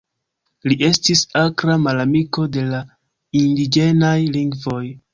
Li estis akra malamiko de la indiĝenaj lingvoj.